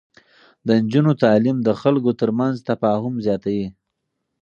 د نجونو تعليم د خلکو ترمنځ تفاهم زياتوي.